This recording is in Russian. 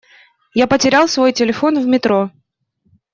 Я потерял свой телефон в метро.